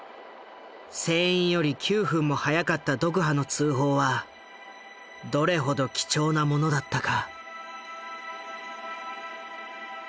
船員より９分も早かったドクハの通報はどれほど貴重なものだったか。